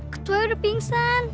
ketua sudah pingsan